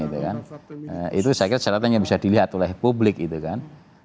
itu saya kira caratan yang bisa dilihat oleh publik gitu kan